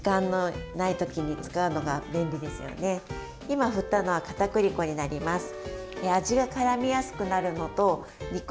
今、振ったのはかたくり粉になります。